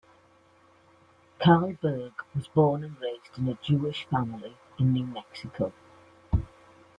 Carl Berg was born and raised in a Jewish family in New Mexico.